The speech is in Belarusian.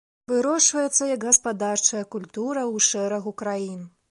Вырошчваецца, як гаспадарчая культура ў шэрагу краін.